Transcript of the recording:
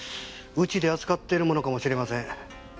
うちで扱っているものかもしれません。